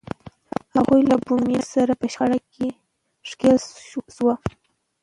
هغوی له بومیانو سره په شخړه کې ښکېل شول.